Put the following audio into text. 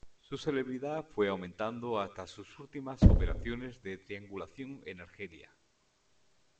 Su celebridad fue aumentando hasta sus últimas operaciones de triangulación en Argelia.